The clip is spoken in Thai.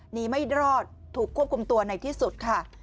ไม่รอดถูกควบคุมตัวในที่สุดค่ะ